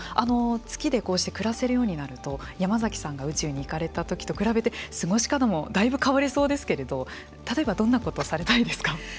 月でこうして暮らせるようになると山崎さんが宇宙に行かれたときと比べて過ごし方もだいぶ変わりそうですけれども例えばどんなことをされたいですか。